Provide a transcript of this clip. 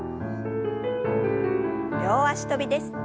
両脚跳びです。